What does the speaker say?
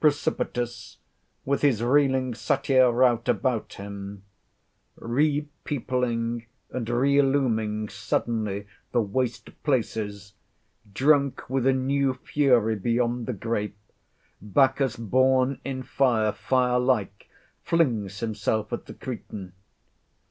Precipitous, with his reeling Satyr rout about him, re peopling and re illuming suddenly the waste places, drunk with a new fury beyond the grape, Bacchus, born in fire, fire like flings himself at the Cretan.